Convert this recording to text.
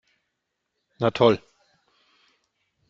Na toll!